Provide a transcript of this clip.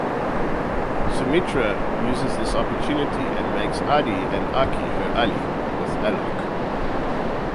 Sumitra uses this opportunity and makes Adi and Aki her ally with Alok.